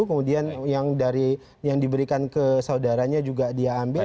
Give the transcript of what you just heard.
kemudian yang diberikan ke saudaranya juga dia ambil